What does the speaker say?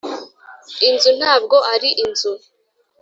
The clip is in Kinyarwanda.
inzu ntabwo ari inzu